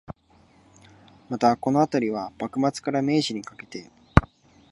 また、このあたりは、幕末から明治にかけて